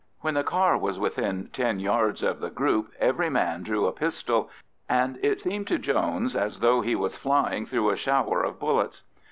When the car was within ten yards of the group every man drew a pistol, and it seemed to Jones as though he was flying through a shower of bullets.